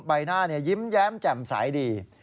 ใบหน้ายิ้มแย้มแจ่มใสดี